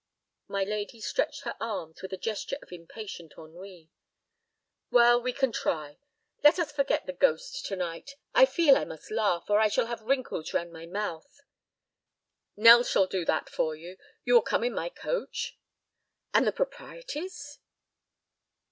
My lady stretched her arms with a gesture of impatient ennui. "Well we can try. Let us forget the ghost to night. I feel I must laugh, or I shall have wrinkles round my mouth." "Nell shall do that for you. You will come in my coach?" "And the proprieties?"